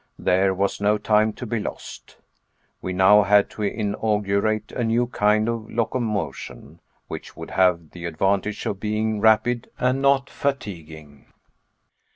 There was no time to be lost. We now had to inaugurate a new kind of locomotion, which would have the advantage of being rapid and not fatiguing.